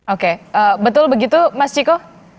oke betul begitu mas ciko